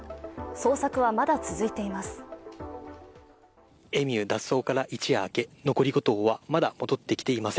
捜索はまだ続いています。